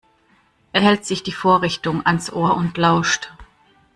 Er hält sich die Vorrichtung ans Ohr und lauscht.